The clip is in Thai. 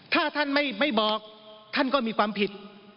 ถ้าท่านไม่บอกท่านก็มีความผิด